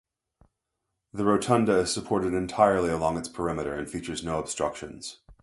The rotunda is supported entirely along its perimeter and features no obstructions.